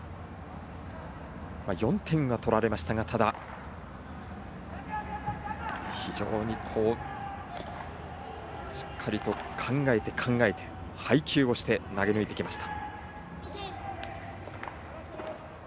當山、４点は取られましたがただ非常にしっかりと考えて考えて配球をして投げ抜いてきました。